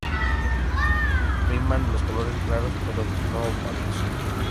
Priman los colores claros, pero no opacos.